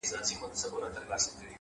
ځو لهٔ کثرته د وحدت پر لوري